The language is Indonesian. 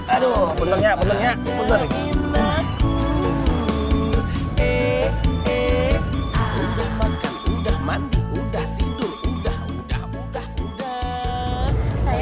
aduh benternya benternya